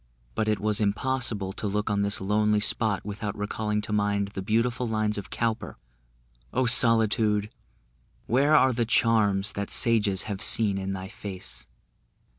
But it was impossible to look on this lonely spot without recalling to mind the beautiful lines of Cowper "O Solitude, where are the charms That sages have seen in thy face?"